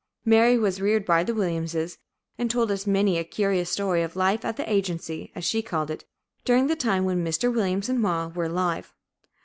Mary was reared by the Williamses, and told us many a curious story of life at the "agency," as she called it, during the time when "Mr. Williams and Ma" were alive.